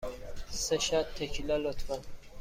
سه شات تکیلا، لطفاً.